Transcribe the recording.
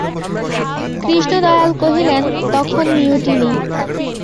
কৃষ্ণদয়াল কহিলেন, তখন মিউটিনি।